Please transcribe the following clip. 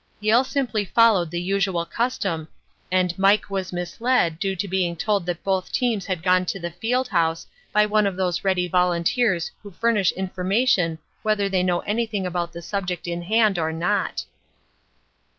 Yale simply followed the usual custom and 'Mike' was misled due to being told that both teams had gone to the Field House by one of those ready volunteers who furnish information whether they know anything about the subject in hand or not."